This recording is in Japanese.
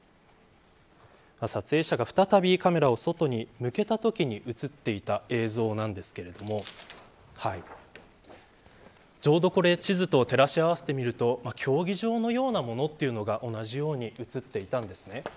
撮影者が再びカメラを外に向けたときに映っていた映像なんですけれどもちょうど地図と照らし合わせてみると競技場のようなものというのが同じように映っていたんです。